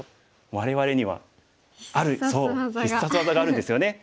我々にはある必殺技があるんですよね。